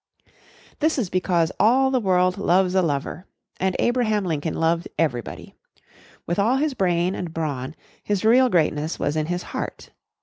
This is because "all the world loves a lover" and Abraham Lincoln loved everybody. With all his brain and brawn, his real greatness was in his heart.